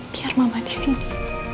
biar mama disini